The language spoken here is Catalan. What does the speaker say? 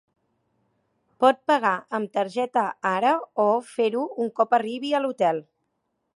Pot pagar amb targeta ara o fer-ho un cop arribi a l'hotel.